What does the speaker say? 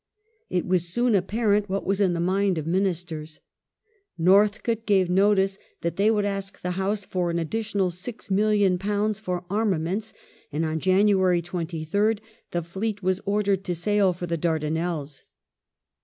It was soon apparent what was in the mind of Ministers. Northcote gave notice that they would ask the House for an additional £6,000,000 for armaments, and on January 2Srd the Fleet was ordered to sail for the Dar danelles.